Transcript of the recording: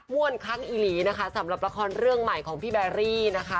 ม่วนคักอีลีสำหรับละครเรื่องใหม่ของพี่แบรี่นะค่ะ